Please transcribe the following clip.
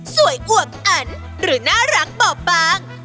สวยอวกอันหรือน่ารักบอบบาก